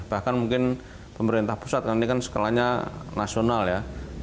bahkan mungkin pemerintah pusat ini kan sekalanya nasional ya